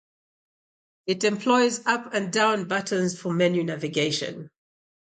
It employs up and down buttons for menu navigation.